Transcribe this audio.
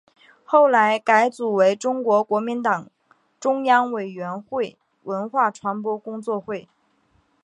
后来改组为中国国民党中央委员会文化传播工作会。